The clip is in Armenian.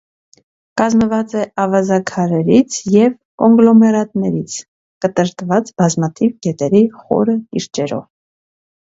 Կազմված է ավազաքարերից և կոնգլոմերատներից՝ կտրտված բազմաթիվ գետերի խորը կիրճերով։